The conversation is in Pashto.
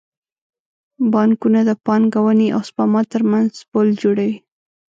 بانکونه د پانګونې او سپما ترمنځ پل جوړوي.